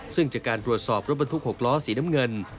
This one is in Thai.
ซึ่งจากการตรวจสอบรถบรรทุก๖ล้อสีน้ำเงิน